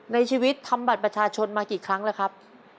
ในชีวิตทำบัตรประชาชนมากี่ครั้งแล้วครับ